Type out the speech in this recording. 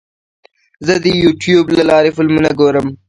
زه د یوټیوب له لارې فلمونه ګورم.